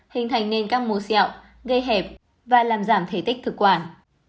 hình thành nên các mô xẹo gây hẹp và làm giảm thể tích thực quản